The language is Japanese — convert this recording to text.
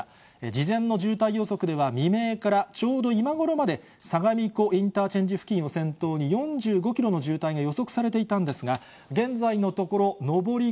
事前の渋滞予測では未明からちょうど今頃まで、相模湖インターチェンジ付近を先頭に、４５キロの渋滞が予測されていたんですが、現在のところ、上り、